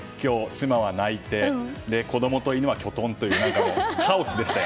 妻は泣いて子供と犬はきょとんというもう、カオスでしたよ。